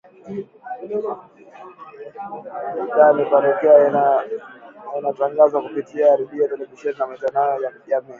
Idhaa imepanuka na inatangaza kupitia redio, televisheni na mitandao ya kijamii